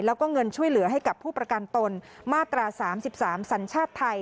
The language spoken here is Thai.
แล้วก็เงินช่วยเหลือให้กับผู้ประกันตนมาตรา๓๓สัญชาติไทย